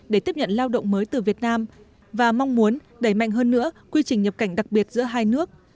để tiếp nhận lao động mới từ việt nam và mong muốn đẩy mạnh hơn nữa quy trình nhập cảnh đặc biệt giữa hai nước